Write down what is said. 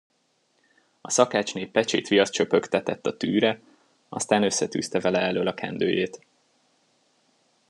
A szakácsné pecsétviaszt csöpögtetett a tűre, aztán összetűzte vele elöl a kendőjét.